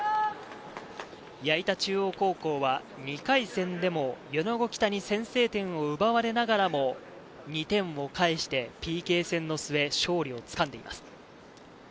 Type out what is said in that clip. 矢板中央高校は２回戦でも米子北に先制点を奪われながらも、２点を返してＰＫ戦の末、勝利をつかんでいます。